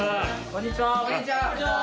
こんにちは！